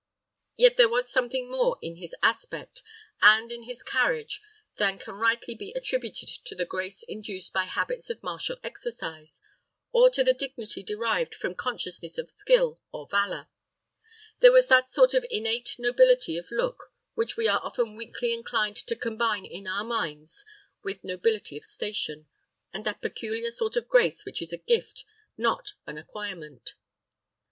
Yet there was something more in his aspect and in his carriage than can rightly be attributed to the grace induced by habits of martial exercise, or to the dignity derived from consciousness of skill or valour: there was that sort of innate nobility of look which we are often weakly inclined to combine in our minds with nobility of station, and that peculiar sort of grace which is a gift, not an acquirement.